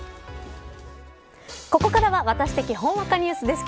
ここからはワタシ的ほんわかニュースです。